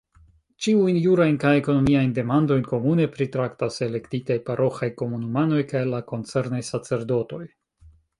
Ĉiujn jurajn kaj ekonomiajn demandojn komune pritraktas elektitaj paroĥaj komunumanoj kaj la koncernaj sacerdotoj.